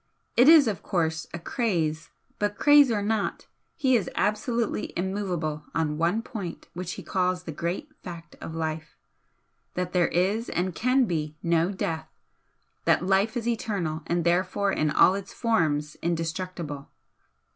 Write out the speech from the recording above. It is, of course, a 'craze' but craze or not, he is absolutely immovable on one point which he calls the great Fact of Life, that there is and can be no Death, that Life is eternal and therefore in all its forms indestructible."